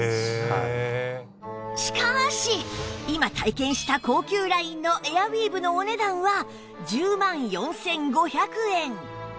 しかし今体験した高級ラインのエアウィーヴのお値段は１０万４５００円